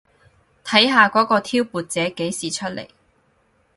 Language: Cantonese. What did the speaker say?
睇下嗰個挑撥者幾時出嚟